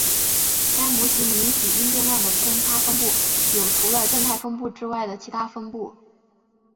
该模型允许因变量的偏差分布有除了正态分布之外的其它分布。